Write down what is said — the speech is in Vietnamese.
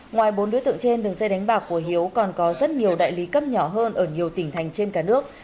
ngoài bốn đối tượng trên đường dây đánh bạc của hiếu còn có rất nhiều đại lý cấp nhỏ hơn ở nhiều tỉnh thành trên cả nước